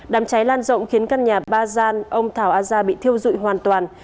đám cháy lan rộng khiến căn nhà ba gian ông thảo a gia bị thiêu dụi hoàn toàn